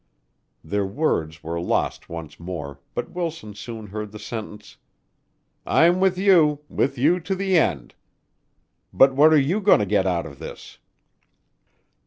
Their words were lost once more, but Wilson soon heard the sentence, "I'm with you with you to the end. But what are you going to get out of this?"